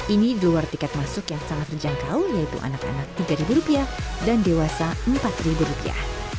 ini di luar tiket masuk yang sangat terjangkau yaitu anak anak tiga ribu rupiah dan dewasa empat ribu rupiah